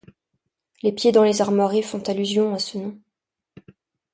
Les pieds dans les armoiries font allusion à ce nom.